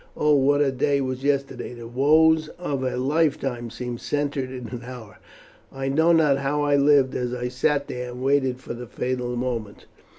Oh, what a day was yesterday! The woes of a lifetime seemed centred in an hour. I know not how I lived as I sat there and waited for the fatal moment.